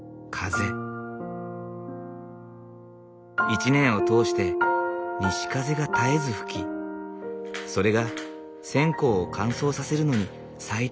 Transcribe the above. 一年を通して西風が絶えず吹きそれが線香を乾燥させるのに最適なのだという。